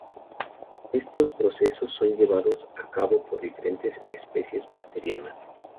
Estos procesos son llevados a cabo por diferentes especies bacterianas.